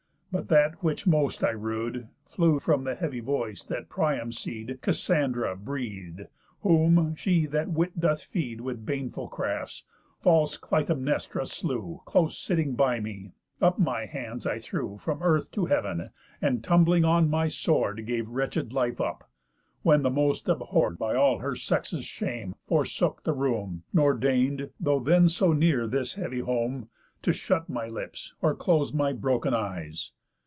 But that which most I rued, Flew from the heavy voice that Priam's seed, Cassandra, breath'd, whom, she that wit doth feed With baneful crafts, false Clytemnestra, slew, Close sitting by me; up my hands I threw From earth to heav'n, and tumbling on my sword Gave wretched life up; when the most abhorr'd, By all her sex's shame, forsook the room, Nor deign'd, though then so near this heavy home, To shut my lips, or close my broken eyes.